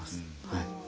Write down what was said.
はい。